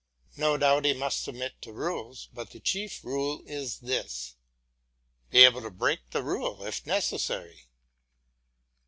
No doubt he must submit to rules; but the chief rule is this be able to break the rule if necessary.